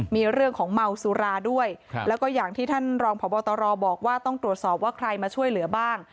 มีเรื่องของเมาสุราด้วยแล้วก็อย่างที่ท่านรองพบตรบอกว่าต้องตรวจสอบว่าใครมาช่วยเหลือบ้าง